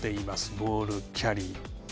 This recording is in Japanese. ボールキャリー。